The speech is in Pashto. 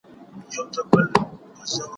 د طالع ستوری یې پټ دی بخت یې تور دی